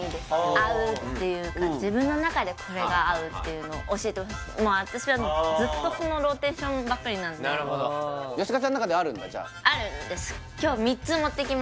合うっていうか自分の中でこれが合うっていうのを教えてほしいもう私はずっとそのローテーションばっかりなんでなるほどあるんです３つ？